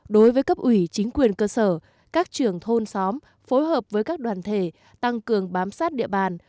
đối với cấp ủy chính quyền cơ sở các trưởng thôn xóm phối hợp với các đoàn thể tăng cường bám sát địa bàn